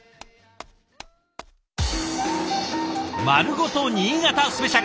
「まるごと新潟スペシャル」。